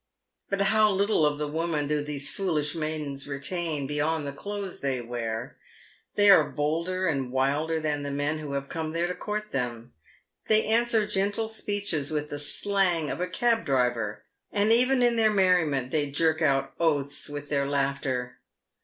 But how little of the woman do these foolish maidens retain beyond the clothes they wear ! They are bolder and wilder than the men who have come there to court them ; they answer gentle speeches with the slang of a cab driver, and even in their merriment they jerk out oaths with their laughter.